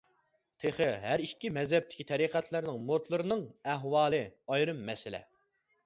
تېخى ھەر ئىككى مەزھەپتىكى تەرىقەتلەرنىڭ مۇرىتلىرىنىڭ ئەھۋالى ئايرىم مەسىلە.